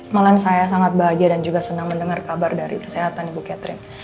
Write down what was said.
malahan saya sangat bahagia dan juga senang mendengar kabar dari kesehatan ibu catherine